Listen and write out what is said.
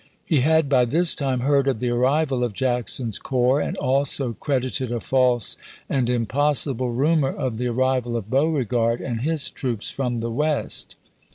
He had by this time heard of the arrival of Jackson's corps, and also credited a false and impossible rumor of the arrival of Beaui egard and his troops from the West.